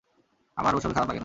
আমার ওসবে খারাপ লাগে না!